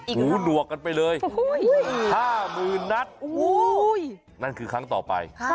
หูหนวกกันไปเลย๕๐๐๐นัดนั่นคือครั้งต่อไป